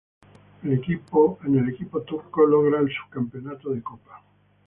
En el equipo turco, logra el subcampeonato de copa.